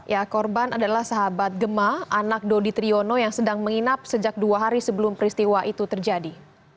ya korban adalah sahabat gemah anak dodi triyono yang sedang menginap sejak dua hari sebelum peristiwa itu terjadi